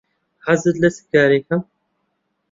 حەزت لە چ کارێکە؟